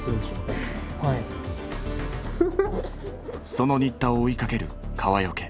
その新田を追いかける川除。